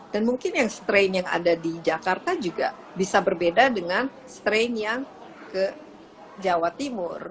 dan mungkin yang strain yang ada di jakarta juga bisa berbeda dengan strain yang ke jawa timur